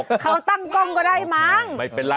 เขาตั้งกล้องก็ได้มั้ง